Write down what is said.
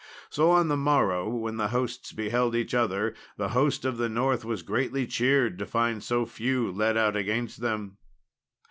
So on the morrow when the hosts beheld each other, the host of the north was greatly cheered to find so few led out against them.